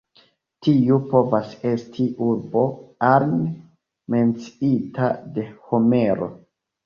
Tiu povas esti urbo "Arne", menciita de Homero.